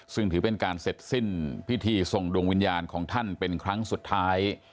ซึ่งถือเป็นการเสร็จสิ้นพิธีส่งดวงวิญญาณของท่านเป็นครั้งสุดท้าย